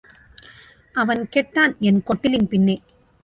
அவன் கெட்டான் என் கொட்டிலின் பின்னே.